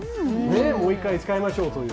もう１回使いましょうという。